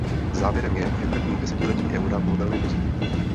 Závěrem je, že první desetiletí eura bylo velmi pozitivní.